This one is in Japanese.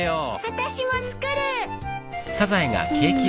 私も作る。